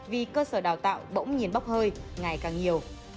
vì cơ sở đào tạo bỗng nhiên bóc hơi ngày càng nhiều